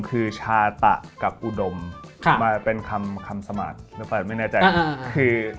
คือชาตะกับอุดมมาเป็นคำสมาธิหรือเปล่าไม่แน่ใจ